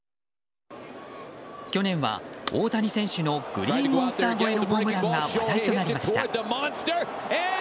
去年は大谷選手のグリーンモンスター越えのホームランが話題となりました。